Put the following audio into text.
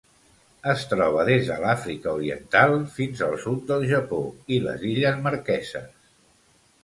Es troba des de l'Àfrica Oriental fins al sud del Japó i les illes Marqueses.